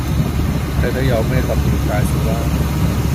睇睇有咩特別介紹啦